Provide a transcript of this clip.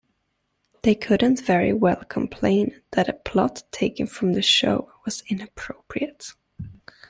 They couldn't very well complain that a plot taken from the show was inappropriate.